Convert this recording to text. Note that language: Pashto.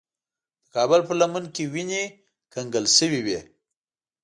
د کابل پر لمن کې وینې کنګل شوې وې.